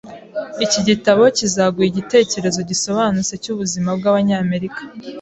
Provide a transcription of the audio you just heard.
Iki gitabo kizaguha igitekerezo gisobanutse cyubuzima bwabanyamerika.